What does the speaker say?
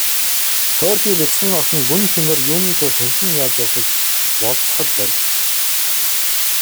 Хөөрхий бяцхан охин гүн шөнөөр юуны тул хэрхэн яаж явахыг болзоход бэрх.